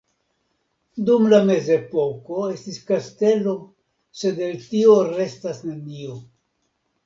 Dum la Mezepoko estis kastelo sed el tio restas nenio.